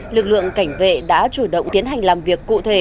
lực lượng cảnh vệ đã chủ động tiến hành làm việc cụ thể